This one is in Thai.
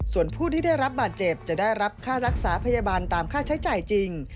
ส่วนผู้ที่ได้รับบาดเจ็บจะได้รับค่ารักษาพยาบาลตามค่าใช้จ่ายจริง